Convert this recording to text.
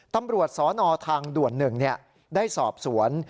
ตำรวจสนทางด่วน๑ได้สอบสวน